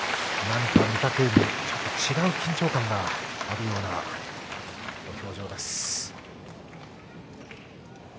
御嶽海、ちょっと違う緊張感があるような土俵上です。